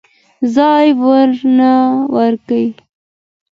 ژای ورنه کړي.